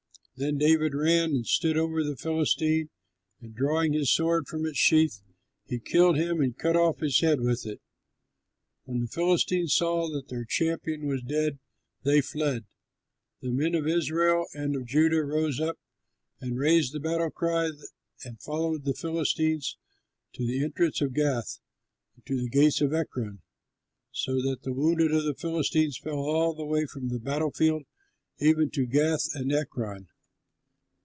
Then David ran and stood over the Philistine, and drawing his sword from its sheath, he killed him and cut off his head with it. When the Philistines saw that their champion was dead, they fled. The men of Israel and of Judah rose up and raised the battle cry and followed the Philistines to the entrance to Gath and to the gates of Ekron, so that the wounded of the Philistines fell all the way from the battle field even to Gath and Ekron.